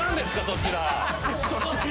「そちら」